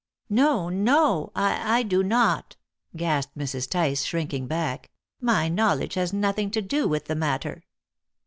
"No, no; I I do not!" gasped Mrs. Tice, shrinking back; "my knowledge has nothing to do with the matter."